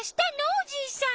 おじいさん。